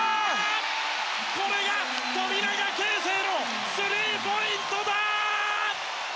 これが富永啓生のスリーポイントだ！